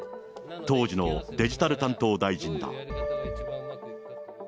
当時のデジタル担当大臣だ。